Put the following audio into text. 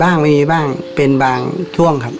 บ้างมีบ้างเป็นบางช่วงครับ